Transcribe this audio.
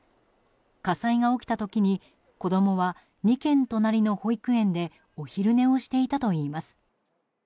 火災が起きた時に子供は２軒隣の保育園でお昼寝をしていたといいます。